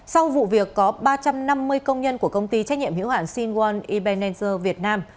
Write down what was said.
sau vụ việc có ba trăm năm mươi công nhân của công ty trách nhiệm hiểu hạn sinwon ebenezer việt nam